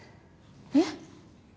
えっ？